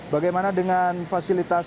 bagaimana dengan fasilitas